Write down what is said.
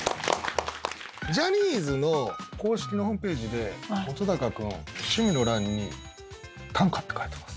ジャニーズの公式のホームページで本君趣味の欄に短歌って書いてます。